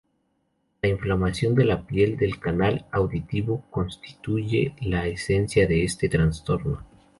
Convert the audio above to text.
La inflamación de la piel del canal auditivo constituye la esencia de este trastorno.